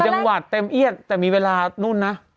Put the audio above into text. จังหวัดเต็มเอียดแต่มีเวลานู่นนะ